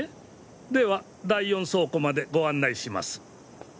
では第４倉庫までご案内します。